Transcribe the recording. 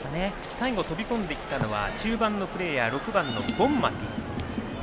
最後飛び込んだのは中盤のプレーヤー６番のボンマティ。